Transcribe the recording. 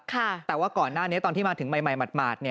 ค่ะแต่ว่าก่อนหน้านี้ตอนที่มาถึงใหม่ใหม่หมัดหมัดเนี่ย